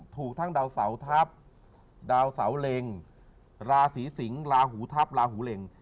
ถูกทั้งดาวเสาทัพดาวเสาเล็งราศีสิงศ์ลาหูทัพลาหูเหล็ง